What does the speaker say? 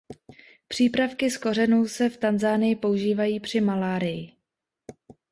Přípravky z kořenů se v Tanzanii používají při malárii.